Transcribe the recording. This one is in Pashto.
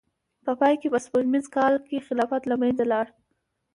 په پای کې په سپوږمیز کال کې خلافت له منځه لاړ.